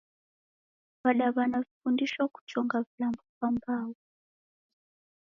W'adaw'ana w'ifundisho kuchonga vilambo va mbau